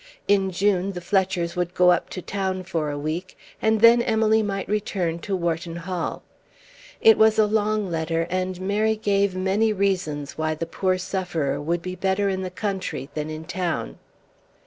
In June the Fletchers would go up to town for a week, and then Emily might return to Wharton Hall. It was a long letter, and Mary gave many reasons why the poor sufferer would be better in the country than in town.